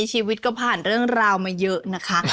ชีวิตก็ผ่านเรื่องราวมาเยอะนะคะ